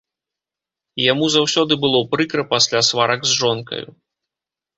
Яму заўсёды было прыкра пасля сварак з жонкаю.